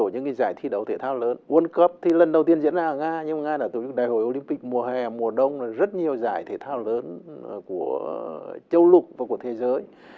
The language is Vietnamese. nga đã tổ chức đại hội olympic mùa hè mùa đông rất nhiều giải thể thao lớn của châu lục và của thế giới